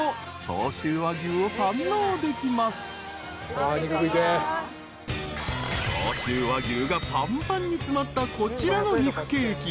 ［相州和牛がぱんぱんに詰まったこちらの肉ケーキ］